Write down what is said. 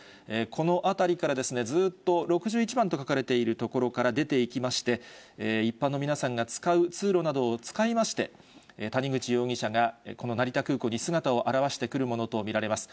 この辺りから、ずっと６１番と書かれている所から出ていきまして、一般の皆さんが使う通路などを使いまして、谷口容疑者が、この成田空港に姿を現してくるものと見られます。